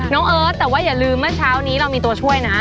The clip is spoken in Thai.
น้องเอิ้ตอย่าลืมมาเช้านี้เรามีตัวช่วยนะ